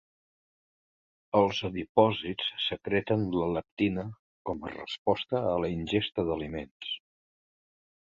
Els adipòcits secreten la leptina com a resposta a la ingesta d'aliments.